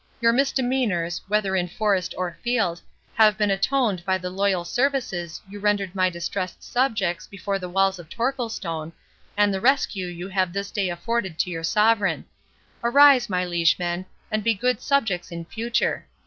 —Your misdemeanours, whether in forest or field, have been atoned by the loyal services you rendered my distressed subjects before the walls of Torquilstone, and the rescue you have this day afforded to your sovereign. Arise, my liegemen, and be good subjects in future.